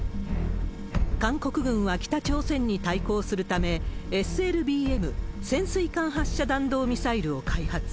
韓国軍は北朝鮮に対抗するため、ＳＬＢＭ・潜水艦発射弾道ミサイルを開発。